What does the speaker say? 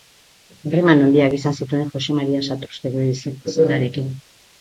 Harreman handiak izan zituen Jose Maria Satrustegi zenarekin.